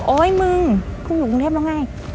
โอ๊ยมึงกูอยู่กรุงเทพแล้วไง